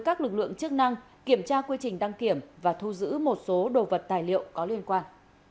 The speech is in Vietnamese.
chức năng kiểm tra quy trình đăng kiểm và thu giữ một số đồ vật tài liệu có liên quan